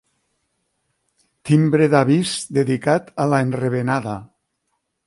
Timbre d'avís dedicat a l'enrevenada.